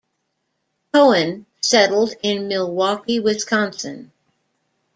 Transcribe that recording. Cohen settled in Milwaukee, Wisconsin.